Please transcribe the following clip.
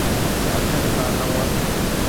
اٺن کان نو